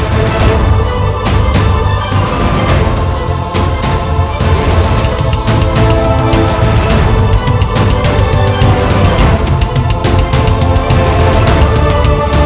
penjahat seperti dia memang tidak bisa dikasihani